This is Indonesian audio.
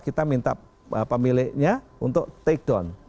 kita minta pemiliknya untuk take down